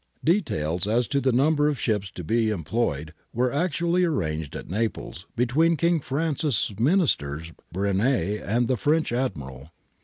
Details as to the number of ships to be employed were actually arranged at Naples between King Francis' Ministers, Brenier, and the French Admiral.